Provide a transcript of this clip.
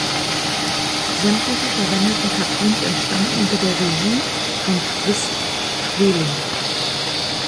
Sämtliche verwendeten Cartoons entstanden unter der Regie von Friz Freleng.